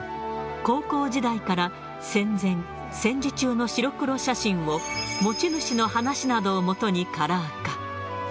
高校時代から戦前、戦時中の白黒写真を、持ち主の話などを基にカラー化。